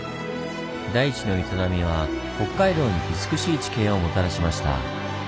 大地の営みは北海道に美しい地形をもたらしました。